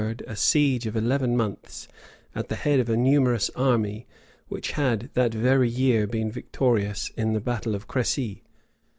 a siege of eleven months, at the head of a numerous army, which had that very year been victorious in the battle of Crecy.